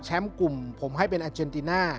กลุ่มผมให้เป็นอาเจนติน่า